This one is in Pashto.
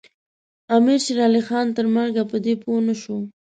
امیر شېرعلي خان تر مرګه په دې پوه نه شو.